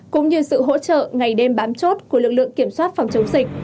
cũng như sự hỗ trợ ngày đêm bám chốt của lực lượng kiểm soát phòng chống dịch